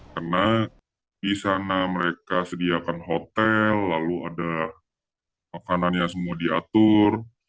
karena di sana mereka sediakan hotel lalu ada makanan yang semua diatur